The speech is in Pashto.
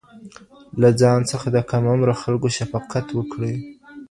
له ځان څخه د کم عمره خلکو شفقت وکړئ.